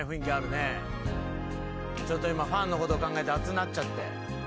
ちょっと今ファンのことを考えて熱なっちゃって。